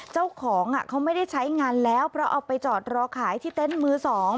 เจ้าของเขาไม่ได้ใช้งานแล้วเพราะเอาไปจอดรอขายที่เต็นต์มือ๒